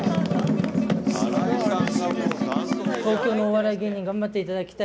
東京のお笑い芸人頑張っていただきたい。